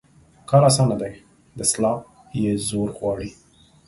کار اسانه دى ، دسلاپ يې زور غواړي.